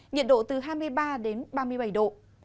nhiệt độ từ hai mươi ba đến ba mươi bảy độ